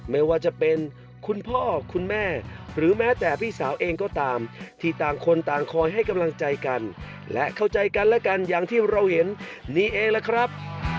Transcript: ไม่ว่าจะเป็นคุณพ่อคุณแม่หรือแม้แต่พี่สาวเองก็ตามที่ต่างคนต่างคอยให้กำลังใจกันและเข้าใจกันและกันอย่างที่เราเห็นนี่เองล่ะครับ